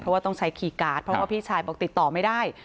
เพราะว่าต้องใช้คีย์การ์ดเพราะว่าพี่ชายบอกติดต่อไม่ได้